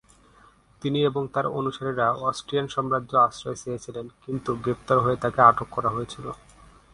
তিনি এবং তার অনুসারীরা অস্ট্রিয়ান সাম্রাজ্যে আশ্রয় চেয়েছিলেন, কিন্তু গ্রেপ্তার হয়ে তাকে আটক করা হয়েছিল।